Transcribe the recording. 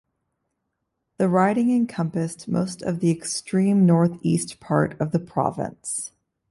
The riding encompassed most of the extreme north east part of the province.